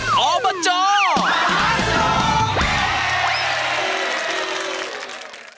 ขอแรง